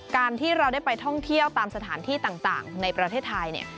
การที่เราได้ไปท่องเที่ยวตามสถานที่ต่างในประเทศไทยเนี่ย